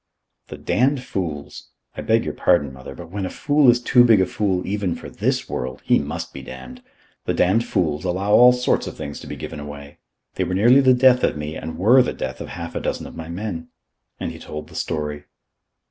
"The damned fools I beg your pardon, Mother, but when a fool is too big a fool even for this world, he must be damned the damned fools allow all sorts of things to be given away. They were nearly the death of me and were the death of half a dozen of my men." And he told the story.